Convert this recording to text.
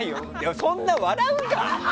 そんな笑うか？